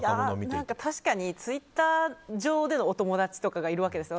確かに、ツイッター上でのお友達とかがいるわけです